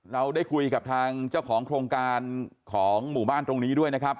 เราได้คุยกับทางเจ้าของโครงการของหมู่บ้านตรงนี้ด้วยนะครับ